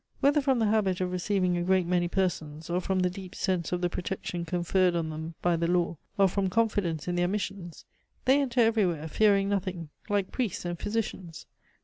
Whether from the habit of receiving a great many persons, or from the deep sense of the protection conferred on them by the law, or from confidence in their missions, they enter everywhere, fearing nothing, like priests and physicians.